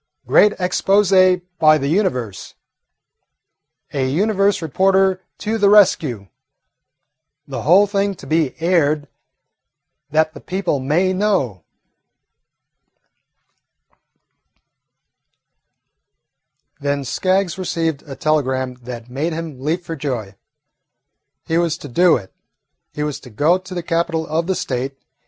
Great Expose by the 'Universe'! A 'Universe' Reporter To the Rescue! The Whole Thing to Be Aired that the People may Know!" Then Skaggs received a telegram that made him leap for joy. He was to do it. He was to go to the capital of the State.